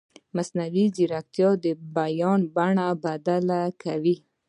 مصنوعي ځیرکتیا د بیان بڼه بدله کوي.